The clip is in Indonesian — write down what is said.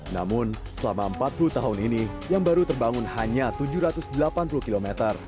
namun selama empat puluh tahun ini yang baru terbangun hanya tujuh ratus delapan puluh km